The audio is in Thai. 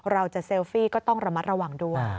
จะเซลฟี่ก็ต้องระมัดระวังด้วย